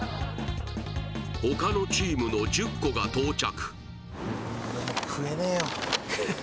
岡野チームの１０個が到着